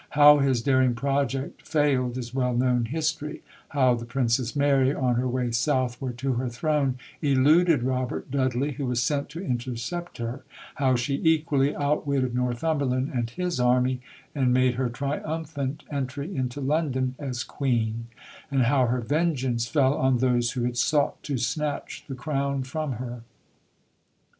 How his daring project failed is well known history how the Princess Mary on her way southward to her throne eluded Robert Dudley, who was sent to intercept her; how she equally outwitted Northumberland and his army, and made her triumphant entry into London as Queen; and how her vengeance fell on those who had sought to snatch the crown from her.